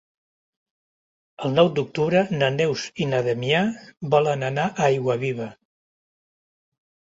El nou d'octubre na Neus i na Damià volen anar a Aiguaviva.